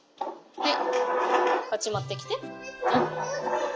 はい。